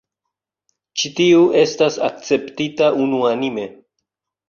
Ĉi tiu estas akceptita unuanime.